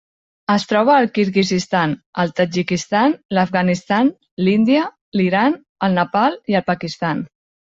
Es troba al Kirguizistan, el Tadjikistan, l'Afganistan, l'Índia, l'Iran, el Nepal i el Pakistan.